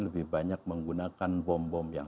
lebih banyak menggunakan bom bom yang